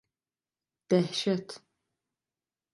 Dehşet…